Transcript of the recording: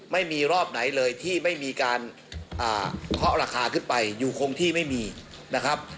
ไม่มีรอบไหนเลยที่ไม่มีการเคาะราคาขึ้นไปอยู่คงที่ไม่มีนะครับ